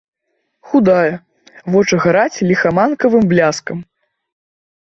Худая, вочы гараць ліхаманкавым бляскам.